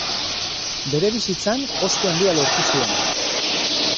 Bere bizitzan ospe handia lortu zuen.